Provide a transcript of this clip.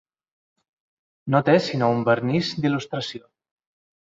No té sinó un vernís d'il·lustració.